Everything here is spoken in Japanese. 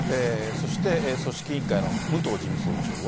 そして組織委員会の武藤事務総長は。